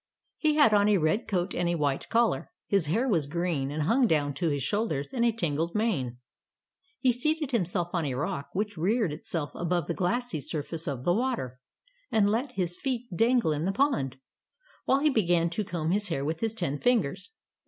He had on a red coat and a white collar. His hair was green, and hung down to his shoulders in a tangled mane. He seated himself on a rock, which reared itself above the glassy surface of the water, and let his feet dangle in the pond, while he began to comb his hair with his ten fingers.